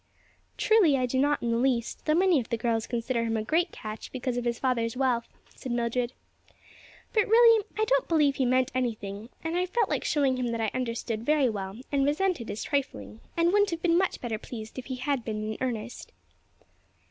"Truly I do not in the least; though many of the girls consider him a great catch because of his father's wealth," said Mildred. "But really I don't believe he meant anything, and I felt like showing him that I understood that very well and resented his trifling; and wouldn't have been much better pleased if he had been in earnest."